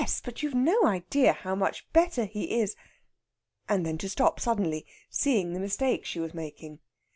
But you have no idea how much better he is " and then to stop suddenly, seeing the mistake she was making.